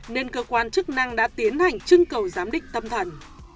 nên cơ quan chức năng đã tiến hành chưng cầu giám đích tâm thần